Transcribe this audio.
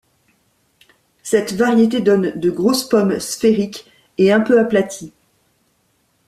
Cette variété donne de grosses pommes sphériques et un peu aplatie.